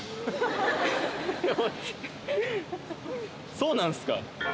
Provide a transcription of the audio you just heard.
そうなんすか。